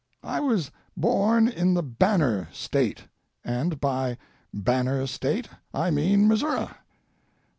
I was born in the "Banner State," and by "Banner State" I mean Missouri.